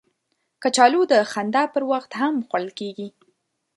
کچالو د خندا پر وخت هم خوړل کېږي